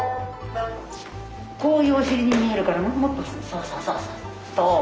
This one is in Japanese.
こういうお尻に見えるからもっとそうそうそうそうそう。